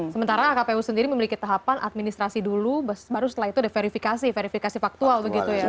sementara kpu sendiri memiliki tahapan administrasi dulu baru setelah itu ada verifikasi verifikasi faktual begitu ya